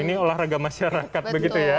ini olahraga masyarakat begitu ya